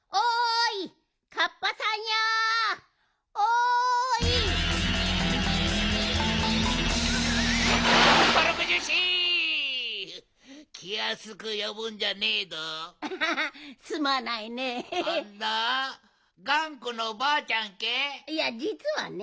いやじつはね